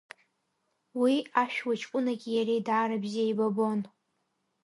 Уи ашәуа ҷкәынаки иареи даара бзиа еибабон.